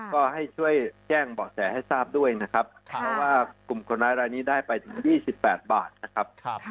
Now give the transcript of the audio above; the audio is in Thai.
ก็ให้ช่วยแจ้งเบาะแสให้ทราบด้วยนะครับเพราะว่ากลุ่มคนร้ายรายนี้ได้ไปถึง๒๘บาทนะครับ